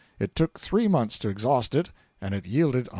It took three months to exhaust it, and it yielded $120,000.